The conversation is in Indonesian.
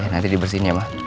nanti dibersihin ya ma